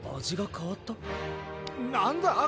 味がかわったなんだ？